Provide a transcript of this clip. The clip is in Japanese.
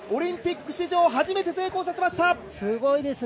オリンピック史上初めて成功させました。